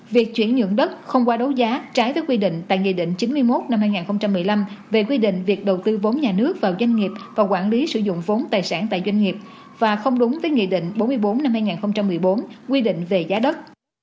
việc chuyển nhượng đất không qua đấu giá trái với quy định tại nghị định chín mươi một năm hai nghìn một mươi năm về quy định việc đầu tư vốn nhà nước vào doanh nghiệp và quản lý sử dụng vốn tài sản tại doanh nghiệp và không đúng với nghị định bốn mươi bốn năm hai nghìn một mươi bốn quy định về giá đất